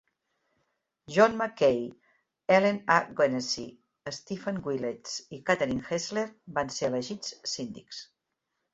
John Mackay, Ellen A. Hennessy, Stephen Willets i Catherine Hechler van ser elegits Síndics.